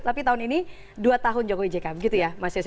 tapi tahun ini dua tahun joko widjika gitu ya mas yose